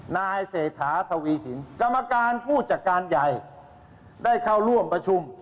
นายเศรษฐาทวีสินกรรมการผู้จัดการใหญ่ได้เข้าร่วมประชุม